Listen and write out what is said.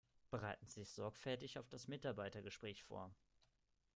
Bereiten Sie sich sorgfältig auf das Mitarbeitergespräch vor!